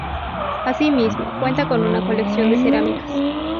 Asimismo cuenta con una colección de cerámicas.